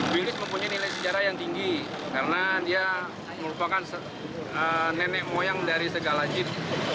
bilis mempunyai nilai sejarah yang tinggi karena dia merupakan nenek moyang dari segala jeep